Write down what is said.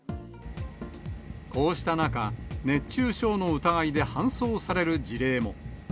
こうした中、熱中症の疑いで搬送される事例も。